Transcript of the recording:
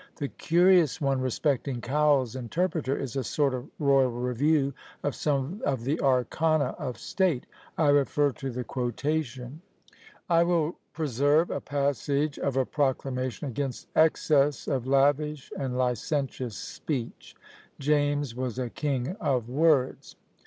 The curious one respecting Cowell's "Interpreter" is a sort of royal review of some of the arcana of state: I refer to the quotation. I will preserve a passage of a proclamation "against excess of lavish and licentious speech." James was a king of words!